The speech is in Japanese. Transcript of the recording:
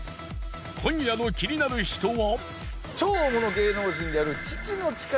今夜の気になる人は。